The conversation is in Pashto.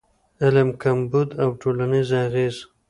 علم کمبود او ټولنیز اغېز